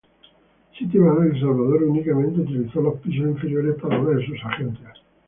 Citibank El Salvador únicamente utilizó los pisos inferiores para una de sus agencias.